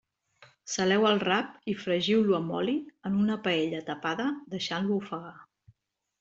Saleu el rap i fregiu-lo amb oli, en una paella tapada, deixant-lo ofegar.